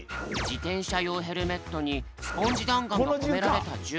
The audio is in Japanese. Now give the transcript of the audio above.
自転車用ヘルメットにスポンジだんがんがこめられた銃。